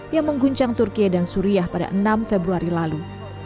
yang mengguncang turkiye dan suriah pada enam februari lalu